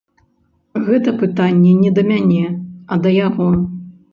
Гэта пытанне не да мяне, а да яго.